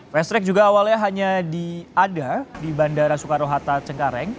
fast track juga awalnya hanya ada di bandara soekarno hatta cengkareng